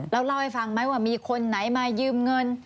แล้วเล่าให้ฟังไหมว่ามีคนไหนมายืมเงิน